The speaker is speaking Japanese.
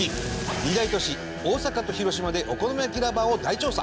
二大都市、大阪と広島でお好み焼きラバーを大調査。